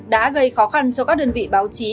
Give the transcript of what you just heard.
đã gây khó khăn cho các đơn vị báo chí